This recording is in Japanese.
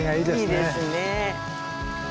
いいですね。